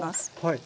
はい。